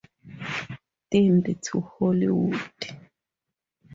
Themed to Hollywood.